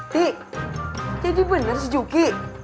ti jadi benar sih juki